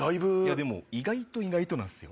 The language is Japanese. でも意外と意外となんですよ。